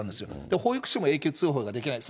保育士も永久追放ができない。